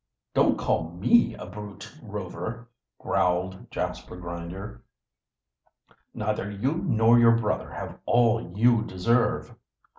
"Don't call me a brute Rover," growled Jasper Grinder. "Neither you nor your brother have all you deserve."